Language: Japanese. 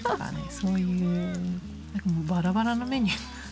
そういうバラバラのメニュー。